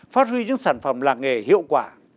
phát huy những sản phẩm làng nghề hiệu quả